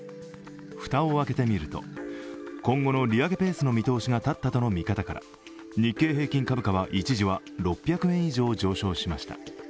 ふたを開けてみると、今後の利上げペースの見通しが立ったとの見方から日経平均株価は一時は６００円以上上昇しました。